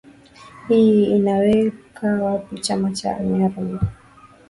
i hii inaiweka wapi chama cha nrm